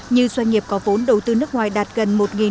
như doanh nghiệp có vốn đầu tư nước ngoài đạt gần một ba trăm linh